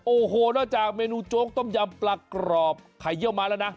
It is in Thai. โอ้โหนอกจากเมนูโจ๊กต้มยำปลากรอบไข่เยี่ยวมาแล้วนะ